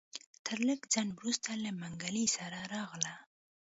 تر لږ ځنډ وروسته له منګلي سره راغله.